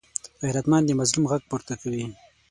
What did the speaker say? غیرتمند د مظلوم غږ پورته کوي